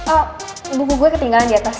oh buku gue ketinggalan di atas